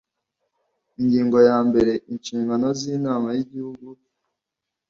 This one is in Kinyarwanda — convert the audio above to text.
ingingo ya mbere inshingano z’inama y’igihugu